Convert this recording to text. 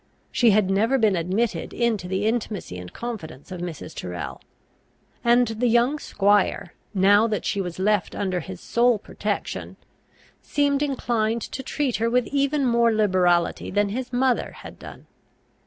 She had never been admitted into the intimacy and confidence of Mrs. Tyrrel; and the young squire, now that she was left under his sole protection, seemed inclined to treat her with even more liberality than his mother had done.